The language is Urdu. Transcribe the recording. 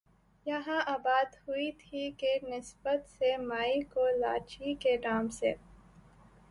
یہاں آباد ہوئی تھی کی نسبت سے مائی کولاچی کے نام سے